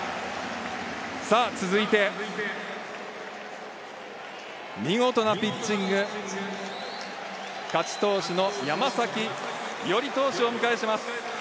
さぁ続いて、見事なピッチング、勝ち投手の山崎伊織投手をお迎えします。